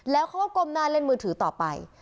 แล้วเขาก็ก้มหน้าเล่นมือถือต่อไป